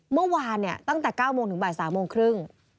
เมื่อวานตั้งแต่๙โมงถึงบ่าย๓โมงครึ่ง